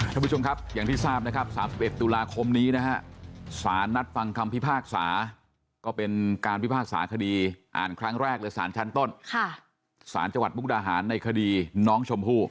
ท่านผู้ชมครับอย่างที่ทราบนะครับ๓๑ตุลาคมนี้นะฮะสารนัดฟังคำพิพากษาก็เป็นการพิพากษาคดีอ่านครั้งแรกเลยสารชั้นต้นสารจังหวัดมุกดาหารในคดีน้องชมพู่